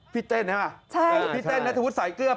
ใครขับคณะ